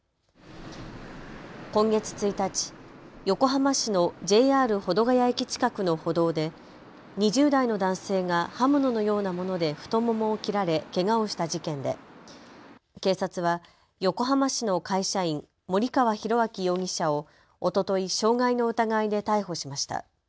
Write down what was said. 今月１日、横浜市のＪＲ保土ケ谷駅近くの歩道で２０代の男性が刃物のようなもので太ももを切られけがをした事件で警察は横浜市の会社員、森川浩昭容疑者をおととい傷害の疑いで逮捕しました。